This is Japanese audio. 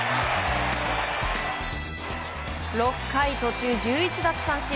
６回途中１１奪三振